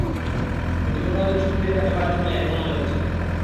কিন্তু কোথাও যেন শক্তির একটা ব্যাপার আছে বলে এখনো মনে হচ্ছে।